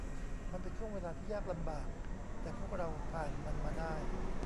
มันเป็นช่วงเวลาที่ยากลำบาก แต่พวกเราผ่านมันมาได้